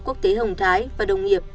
quốc tế hồng thái và đồng nghiệp